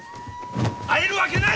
会えるわけない！